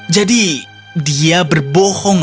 jadi dia berbohong